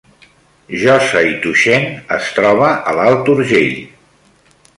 Josa i Tuixén es troba a l’Alt Urgell